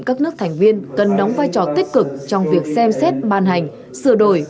các nước thành viên cần đóng vai trò tích cực trong việc xem xét ban hành sửa đổi